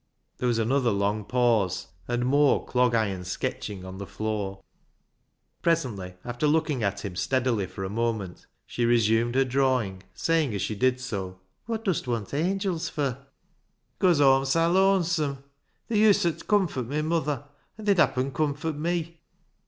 There was another long pause, and more clog iron sketching on the floor. Presently, after looking at him steadily for a moment, she resumed her drawing, saying as she did so —" Wot dust w^ant angils fur ?"" 'Cause Aw'm sa looansome. They uset comfort my muther, and they'd happen comfort me."